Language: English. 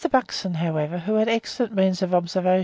Buxton, however, who had excellent means of observation (11.